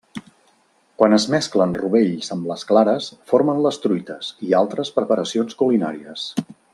Quan es mesclen rovells amb les clares formen les truites i altres preparacions culinàries.